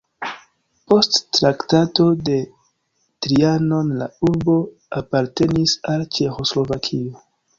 Post Traktato de Trianon la urbo apartenis al Ĉeĥoslovakio.